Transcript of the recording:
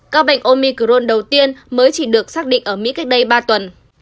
các bệnh omicron đầu tiên mới chỉ được xác định ở mỹ cách đây ba tuần